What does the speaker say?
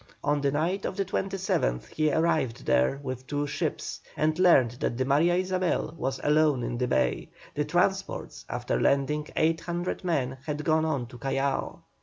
On the night of the 27th he arrived there with two ships, and learned that the Maria Isabel was alone in the bay; the transports, after landing 800 men, had gone on to Callao.